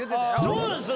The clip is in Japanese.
そうなんですよ。